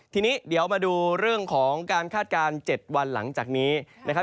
ทีนี้เดี๋ยวมาดูเรื่องของการคาดการณ์๗วันหลังจากนี้นะครับ